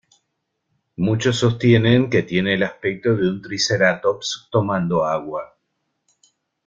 Muchos sostienen que tiene el aspecto de un triceratops tomando agua.